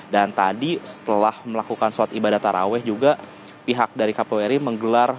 dan tadi setelah melakukan suara ibadah taraweh juga pihak dari kpuri menggelar dua